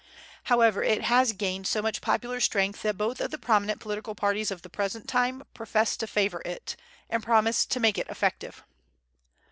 However, it has gained so much popular strength that both of the prominent political parties of the present time profess to favor it, and promise to make it effective.